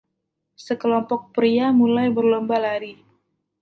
Sekelompok pria mulai berlomba lari.